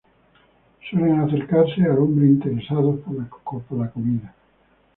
Suelen acercarse al hombre interesados por la comida.